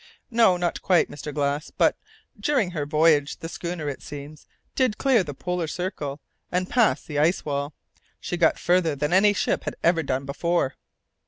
"No, not quite, Mr. Glass, but, during her voyage, the schooner, it seems, did clear the polar circle, and pass the ice wall. She got farther than any ship had ever done before."